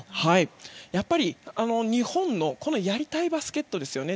やっぱり、日本のやりたいバスケットですよね。